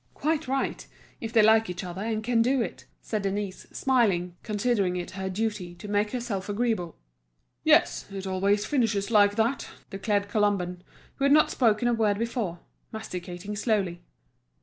"Quite right, if they like each other, and can do it," said Denise, smiling, considering it her duty to make herself agreeable. "Yes, it always finishes like that," declared Colomban, who had not spoken a word before, masticating slowly.